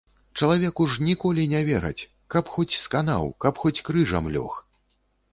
Чалавеку ж ніколі не вераць, каб хоць сканаў, каб хоць крыжам лёг.